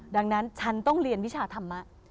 ดังนั้นฉันต้องเรียนวิชาธรรมะ